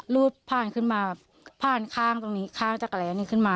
รูดผ่านขึ้นมาผ่านข้างตรงนี้ข้างจักรแร้นี้ขึ้นมา